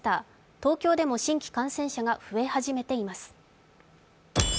東京でも新規感染者が増え始めています。